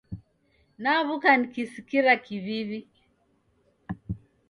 Naw'uka nikisikira kiw'iw'i